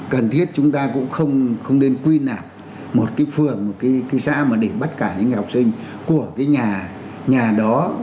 cần thiết chúng ta cũng không nên quy nạp một cái phường một cái xã mà để bắt cả những học sinh của cái nhà nhà đó